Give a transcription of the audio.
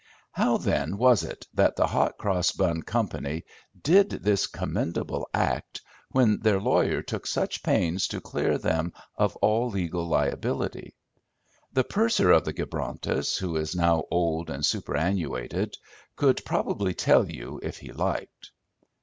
How, then, was it that the Hot Cross Bun Company did this commendable act when their lawyer took such pains to clear them of all legal liability? The purser of the Gibrontus, who is now old and superannuated, could probably tell you if he liked.